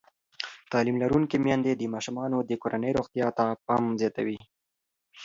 تعلیم لرونکې میندې د ماشومانو د کورنۍ روغتیا ته پام زیاتوي.